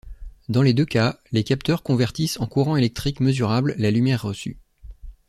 Dans les deux cas, les capteurs convertissent en courant électrique mesurable la lumière reçue.